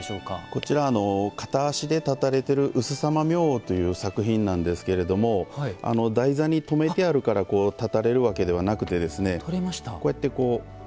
こちら片足で立たれている烏枢沙摩明王という作品なんですけれども台座に止めてあるから立たれるわけではなくてですねこうやって。